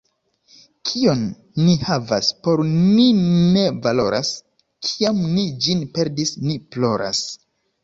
Kion ni havas, por ni ne valoras, — kiam ni ĝin perdis, ni ploras.